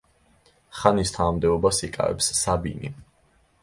ხანის თანამდებობას იკავებს საბინი.